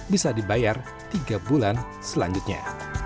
bisa dibayar tiga bulan selanjutnya